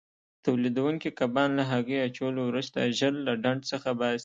تولیدوونکي کبان له هګۍ اچولو وروسته ژر له ډنډ څخه باسي.